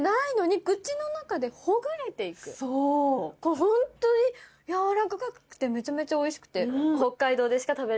ホントに軟らかくてめちゃめちゃおいしくて。